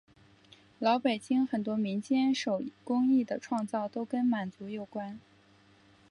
老北京很多民间手工艺的创造都跟满族有关。